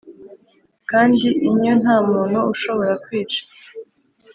kandi inyo ntamuntu ushobora kwica. '